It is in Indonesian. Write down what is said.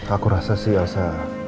aku rasa sih elsa